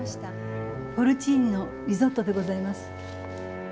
ポルチーニのリゾットでございます。